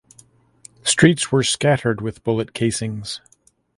Streets were scattered with bullet casings.